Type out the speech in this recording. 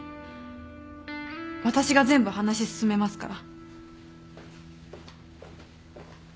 私が全部話進めますから。